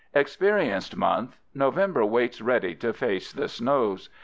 Experienced month, November waits ready to face the snows.